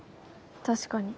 確かに。